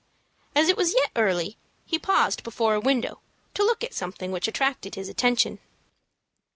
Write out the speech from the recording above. As it was yet early, he paused before a window to look at something which attracted his attention.